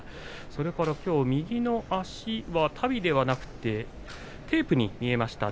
それから右の足は足袋ではなくてテープに見えました。